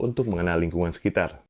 untuk mengenal lingkungan sekitar